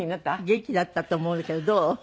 元気になったと思うけどどう？